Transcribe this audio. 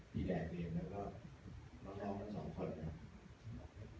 พี่แดกเองแล้วก็น้องน้องมันสองคนเนี้ย